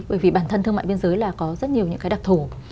bởi vì bản thân thương mại biên giới là có rất nhiều những cái đặc thù